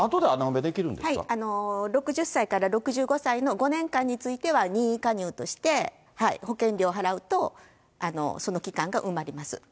はい、６０歳から６５歳の５年間については任意加入として、保険料払うと、その期間が埋まります。